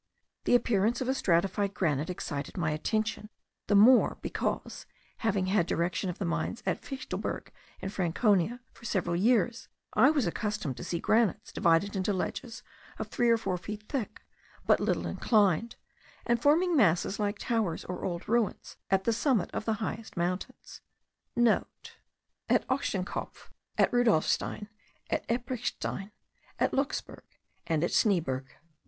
The appearance of a stratified granite excited my attention the more, because, having had the direction of the mines of Fichtelberg in Franconia for several years, I was accustomed to see granites divided into ledges of three or four feet thick, but little inclined, and forming masses like towers, or old ruins, at the summit of the highest mountains.* (* At Ochsenkopf, at Rudolphstein, at Epprechtstein, at Luxburg, and at Schneeberg.